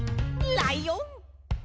ライオン！